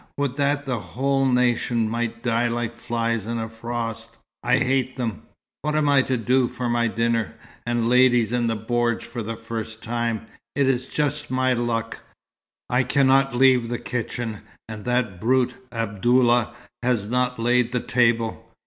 Would that the whole nation might die like flies in a frost! I hate them. What am I to do for my dinner, and ladies in the bordj for the first time? It is just my luck. I cannot leave the kitchen, and that brute Abdallah has not laid the table!